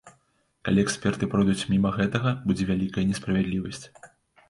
Калі эксперты пройдуць міма гэтага, будзе вялікая несправядлівасць.